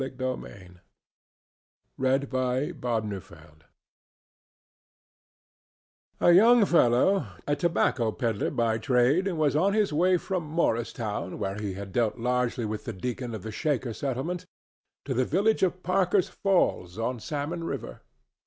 HIGGINBOTHAM'S CATASTROPHE A young fellow, a tobacco pedler by trade, was on his way from Morristown, where he had dealt largely with the deacon of the Shaker settlement, to the village of Parker's Falls, on Salmon River.